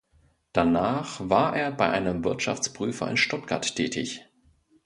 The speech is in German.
Danach war er bei einem Wirtschaftsprüfer in Stuttgart tätig.